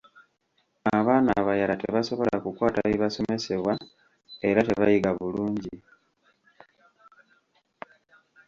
Abaana abayala tebasobola kukwata bibasomesebwa, era tebayiga bulungi.